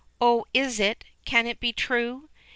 "Oh, is it, can it be true?"